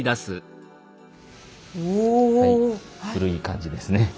はい古い感じですね。